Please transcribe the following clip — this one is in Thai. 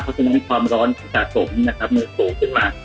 เพราะฉะนั้นความร้อนสะสมมันสูงขึ้นมา